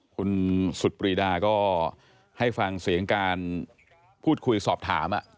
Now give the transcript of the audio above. คุณสุดปรีดาก็ให้ฟังเสียงการพูดคุยสอบถาม